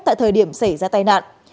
tại thời điểm xảy ra tai nạn